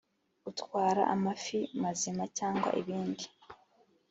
Utwara amafi mazima cyangwa ibindi